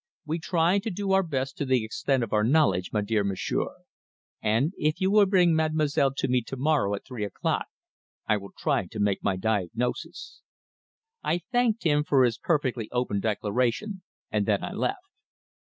We try to do our best to the extent of our knowledge, my dear monsieur. And if you will bring Mademoiselle to me to morrow at three o'clock I will try to make my diagnosis." I thanked him for his perfectly open declaration, and then I left.